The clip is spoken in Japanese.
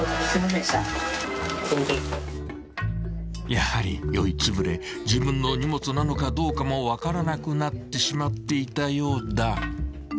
［やはり酔いつぶれ自分の荷物なのかどうかも分からなくなってしまっていたようだ］